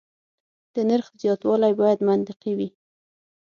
د نرخ زیاتوالی باید منطقي وي.